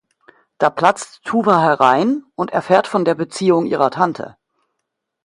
Da platzt Tuva herein und erfährt von der Beziehung ihrer Tante.